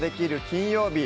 金曜日」